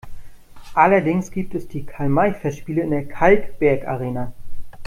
Allerdings gibt es die Karl-May-Festspiele in der Kalkbergarena.